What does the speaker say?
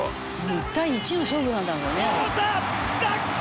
「１対１の勝負なんだもんね」